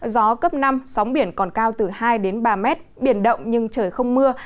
gió cấp năm sóng biển còn cao từ hai đến ba mét biển động nhưng trời không mưa